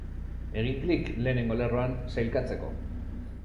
Egin klik lehenengo lerroan sailkatzeko.